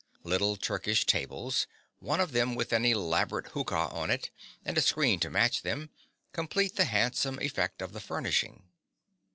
Little Turkish tables, one of them with an elaborate hookah on it, and a screen to match them, complete the handsome effect of the furnishing.